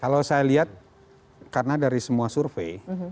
kalau saya lihat karena dari semua survei